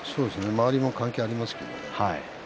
周りも関係ありますけれどもね。